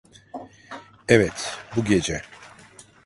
Evet, bu gece.